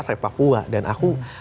sampai papua dan aku